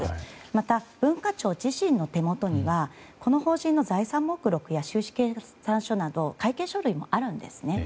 また、文化庁自身の手元にはこの法人の財産目録や収支計算書など会計書類もあるんですね。